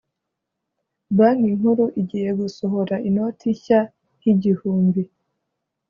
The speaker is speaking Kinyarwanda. banki nkuru igiye gusohora inoti shya y’ igihumbi